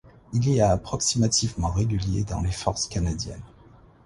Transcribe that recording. Il y a approximativement réguliers dans les Forces canadiennes.